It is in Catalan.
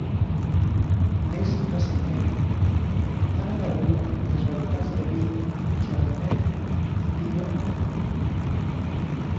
Més recentment, han aparegut les varietats de vi Chardonnay i Pinot noir.